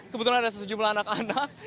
kebetulan ada sejumlah anak anak